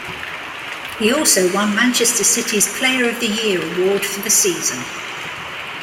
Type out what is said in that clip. He also won Manchester City's Player of the Year award for the season.